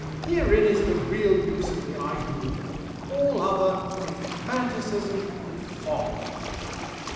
Herein is the real use of the ideal; all other is fanaticism and folly."